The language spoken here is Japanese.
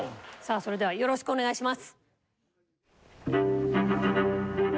それではよろしくお願いします。